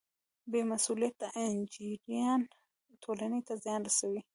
بې مسؤلیته انجینران ټولنې ته زیان رسوي.